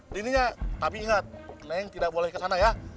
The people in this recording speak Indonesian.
di ininya tapi ingat neng tidak boleh ke sana ya